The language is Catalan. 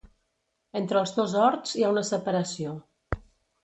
Entre els dos horts hi ha una separació.